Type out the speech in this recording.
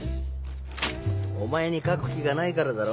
お前に描く気がないからだろ？